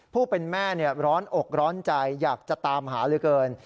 ผู้เป็นแม่ร้อนอกร้อนใจอยากจะตามหาเหลือเกิน